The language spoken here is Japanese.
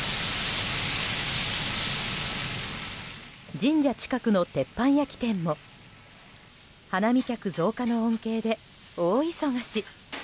神社近くの鉄板焼き店も花見客増加の恩恵で大忙し。